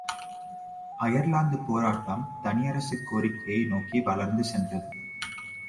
அயர்லாந்துப் போராட்டம் தனியரசுக் கோரிக்கையை நோக்கி வளர்ந்து சென்றது.